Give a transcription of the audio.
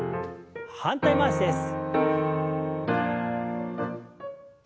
反対回しです。